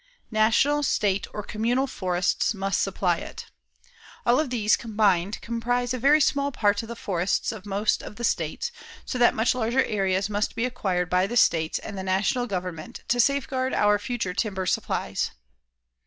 National, state, or communal forests must supply it. All of these combined comprise a very small part of the forests of most of the states, so that much larger areas must be acquired by the states and the national government to safeguard our future timber supplies.